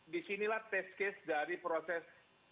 disinilah test case dari proses